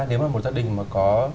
nếu mà một gia đình mà có